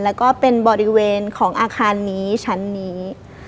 แล้วก็เป็นบริเวณของอาคารนี้ชั้นนี้